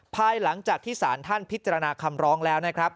ภายหลังจากที่สารท่านพิจารณาคำร้องแล้วนะครับ